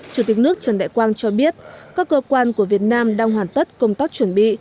chủ tịch nước trần đại quang cho biết các cơ quan của việt nam đang hoàn tất công tác chuẩn bị